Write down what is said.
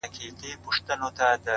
سپی دي څنکه ښخوی د مړو خواته,